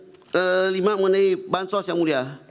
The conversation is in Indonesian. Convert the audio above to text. kelima mengenai bansos yang mulia